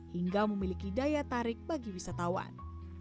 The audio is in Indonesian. hingga memiliki daya tarik bagi wisatawan